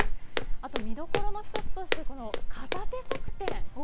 あと見どころの一つとして片手側転。